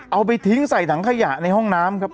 เอาไปทิ้งใส่ถังขยะในห้องน้ำครับ